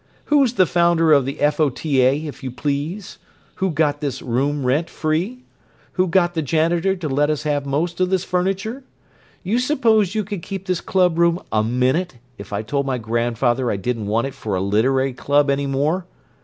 "Who's the founder of the F.O.T.A., if you please? Who got this room rent free? Who got the janitor to let us have most of this furniture? You suppose you could keep this clubroom a minute if I told my grandfather I didn't want it for a literary club any more?